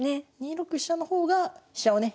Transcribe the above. ２六飛車の方が飛車をね